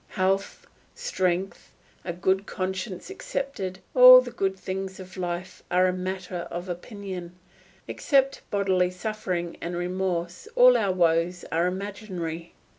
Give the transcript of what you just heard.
Health, strength, and a good conscience excepted, all the good things of life are a matter of opinion; except bodily suffering and remorse, all our woes are imaginary.